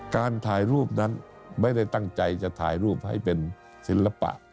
การถ่ายรูปนั้นไม่ได้ตั้งใจจะถ่ายรูปให้เป็นศิลปะ